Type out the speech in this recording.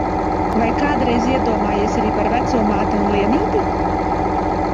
Vai kādreiz iedomājies arī par veco māti un Lienīti?